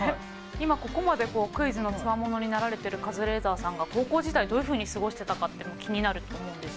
今ここまでクイズの強者になられてるカズレーザーさんが高校時代どういうふうに過ごしてたかって気になると思うんですけど勉強とかってどういう？